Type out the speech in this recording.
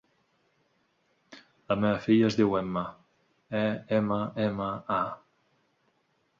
La meva filla es diu Emma: e, ema, ema, a.